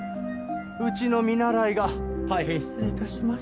うちの見習いが大変失礼致しました。